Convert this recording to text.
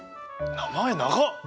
名前長っ！